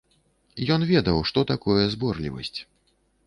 Ён ведаў, што такое зборлівасць.